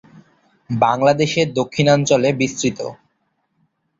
বাংলাদেশের দক্ষিণাঞ্চলে বিস্তৃত।